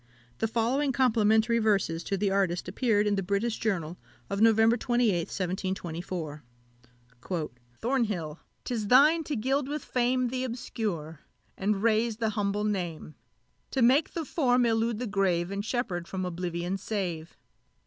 The following complimentary verses to the artist appeared in the British Journal of November 28th, 1724: "Thornhill! 'tis thine to gild with fame Th' obscure, and raise the humble name; To make the form elude the grave, And Sheppard from oblivion save!